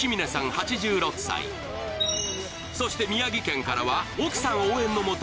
８６歳そして宮城県からは奥さん応援のもと